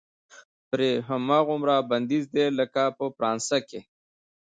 پرې هماغومره بندیز دی لکه په فرانسه کې.